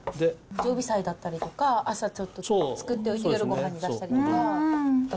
常備菜だったり、朝ちょっと作っておいて夜ごはんに出したりとか。